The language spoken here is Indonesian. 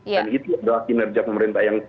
dan itu adalah kinerja pemerintah yang